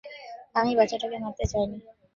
আমি বাচ্চাটাকে মারতে চাই নি।